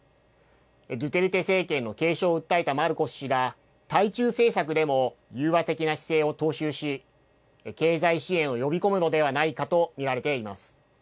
ドゥテルテ政権の継承を訴えたマルコス氏が、対中政策でも融和的な姿勢を踏襲し、経済支援を呼び込むのではないかと見られています。